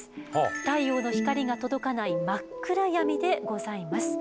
太陽の光が届かない真っ暗闇でございます。